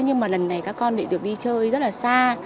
nhưng mà lần này các con lại được đi chơi rất là xa